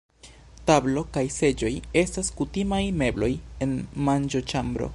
Tablo kaj seĝoj estas kutimaj mebloj en manĝoĉambro.